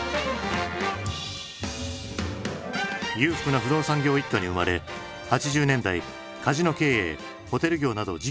裕福な不動産業一家に生まれ８０年代カジノ経営ホテル業など事業を拡大。